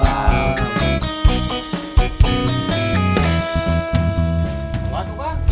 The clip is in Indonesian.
apa tuh pak